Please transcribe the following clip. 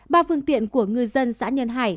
ba phương tiện của ngư dân xã nhân hải